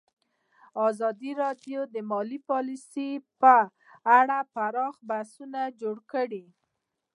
ازادي راډیو د مالي پالیسي په اړه پراخ بحثونه جوړ کړي.